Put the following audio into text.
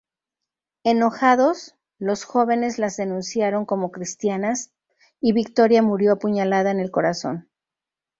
Enojados, los jóvenes las denunciaron como cristianas y Victoria murió apuñalada en el corazón.